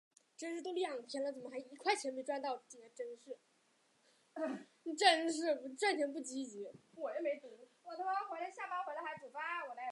平谷区长城列表旨在列出中国北京市平谷区的长城墙体及附属设施。